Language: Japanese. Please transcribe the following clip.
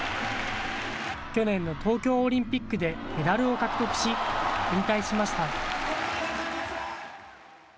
去年の東京オリンピックでメダルを獲得し引退しました。